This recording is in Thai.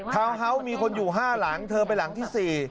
วนเฮาส์มีคนอยู่๕หลังเธอไปหลังที่๔